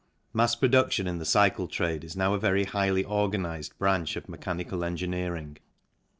Mass production in the cycle trade is now a very highly organized branch of mechanical engineering.